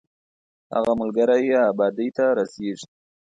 هغه ملګری یې ابادۍ ته رسېږي.